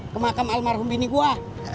kemakam almarhum bini gue